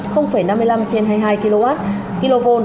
năm mươi năm trên hai mươi hai kw